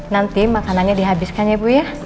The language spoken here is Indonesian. nanti makanannya dihabiskan ya bu ya